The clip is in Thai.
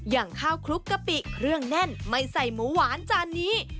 อย่างข้าวคลุกกะปิเครื่องแน่นไม่ใส่หมูหวานจานนี้